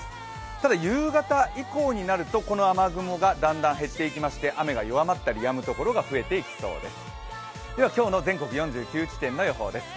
ただ、夕方以降になるとこの雨雲がだんだん減っていきまして雨が弱まったり、やむところが増えていきそうです。